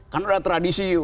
karena ada tradisi